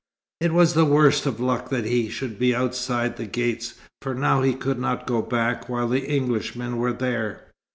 It was the worst of luck that he should be outside the gates, for now he could not go back while the Englishmen were there.